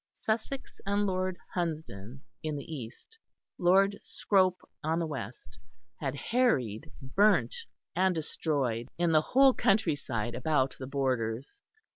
Sussex and Lord Hunsdon in the east, Lord Scrope on the west, had harried, burnt, and destroyed in the whole countryside about the Borders.